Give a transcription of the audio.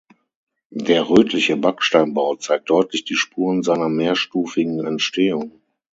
Der rötliche Backsteinbau zeigt deutlich die Spuren seiner mehrstufigen Entstehung.